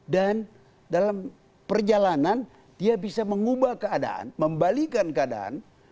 dalam perjalanan dia bisa mengubah keadaan membalikan keadaan